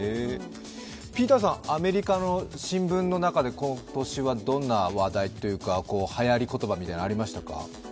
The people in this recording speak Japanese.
ピーターさん、アメリカの新聞の中で今年はどんな話題というか、はやり言葉みたいなのはありましたか？